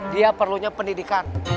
dia perlunya pendidikan